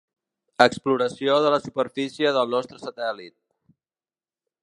Exploració de la superfície del nostre satèl·lit.